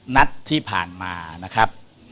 นัดที่ผ่านมานะครับ